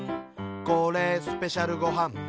「これ、スペシャルごはん」